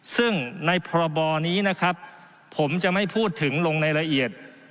ซึ่งในพรบนี้นะครับผมจะไม่พูดถึงลงในละเอียด